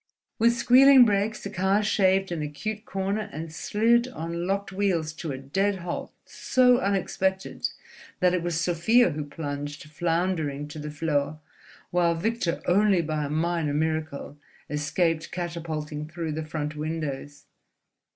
With squealing brakes the car shaved an acute corner and slid on locked wheels to a dead halt so unexpected that it was Sofia who plunged floundering to the floor, while Victor only by a minor miracle escaped catapulting through the front windows.